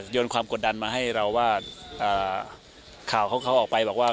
ความกดดันมาให้เราว่าข่าวของเขาออกไปบอกว่า